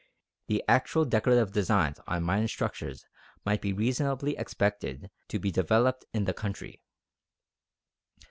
The actual decorative designs on Mayan structures might be reasonably expected to be developed in the country.